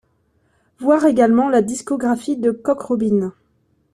Voir également la discographie de Cock Robin.